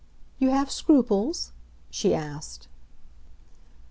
"You have scruples?" she asked.